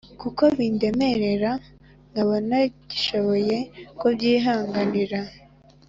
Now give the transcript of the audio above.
kuko bindemerera, nkaba ntagishoboye kubyihanganira.